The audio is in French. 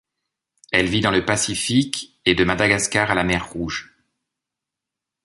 Elle vit dans le Pacifique et de Madagascar à la Mer Rouge.